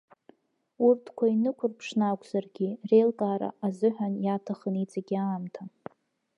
Урҭқәа, инықәырԥшны акәзаргьы, реилкаара азыҳәан иаҭахын иҵегьы аамҭа.